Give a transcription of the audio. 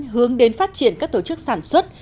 hướng đến phát triển các tổ chức sản xuất